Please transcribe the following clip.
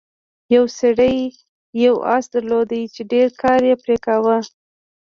یو سړي یو اس درلود چې ډیر کار یې پرې کاوه.